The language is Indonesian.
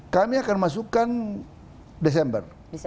kami akan masukkan desember